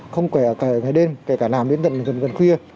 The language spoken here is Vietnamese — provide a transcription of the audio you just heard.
không quẻ cả ngày đêm kể cả làm đến gần khuya